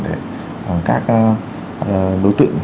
để các đối tượng